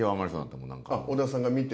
あっ小田さんが見て。